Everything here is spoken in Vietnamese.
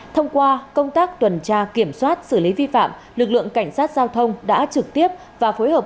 thông qua công tác tuần tra kiểm soát xử lý vi phạm lực lượng cảnh sát giao thông đã trực tiếp và phối hợp